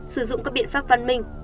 sử dụng các biện pháp văn minh